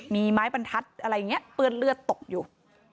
มีไม้ตัดบัญชัยอะไรอย่างเงี้ยเปือนเลือดตกอยู่